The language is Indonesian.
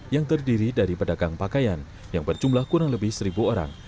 yang terdiri dari pedagang pakaian yang berjumlah kurang lebih seribu orang